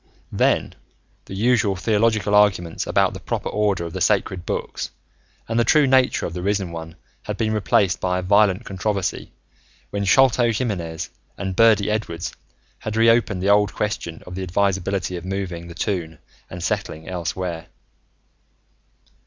Then, the usual theological arguments about the proper order of the Sacred Books and the true nature of the Risen One had been replaced by a violent controversy when Sholto Jiminez and Birdy Edwards had reopened the old question of the advisability of moving the Toon and settling elsewhere.